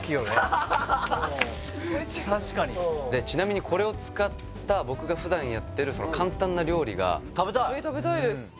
確かにちなみにこれを使った僕が普段やってる簡単な料理が食べたい食べたいです